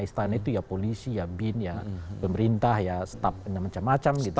istana itu ya polisi ya bin ya pemerintah ya stafnya macam macam gitu